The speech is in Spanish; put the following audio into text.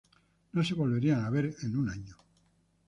No se volverían a ver en un año.